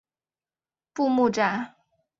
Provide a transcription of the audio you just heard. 布目站。